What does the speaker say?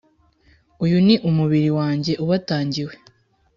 Uyu niumubiri wanjye ubatangiwe.